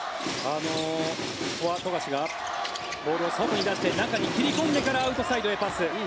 ここは富樫がボールを外に出して中に切り込んでからアウトサイドへパス。